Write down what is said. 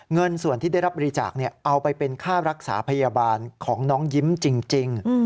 เงินส่วนที่ได้รับบริจาคเอาไปเป็นค่ารักษาพยาบาลของน้องยิ้มจริง